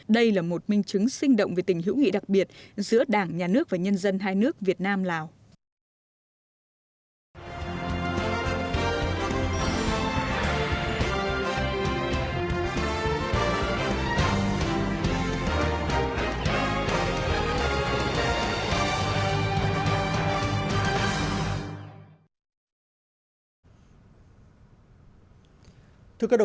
đây là một minh chứng sinh động về tình hữu nghị đặc biệt giữa đảng nhà nước và nhân dân hai nước việt nam lào